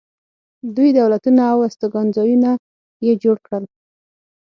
دوی دولتونه او استوګنځایونه یې جوړ کړل